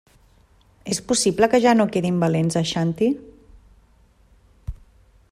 És possible que ja no quedin valents a Aixanti?